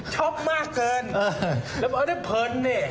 ช็อปมากเกินแล้วเอาได้เผินเนี่ย